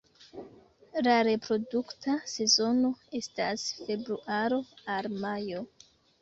La reprodukta sezono estas februaro al majo.